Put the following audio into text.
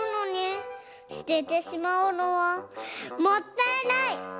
すててしまうのはもったいない。